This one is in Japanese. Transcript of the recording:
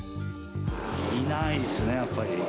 いないですね、やっぱり。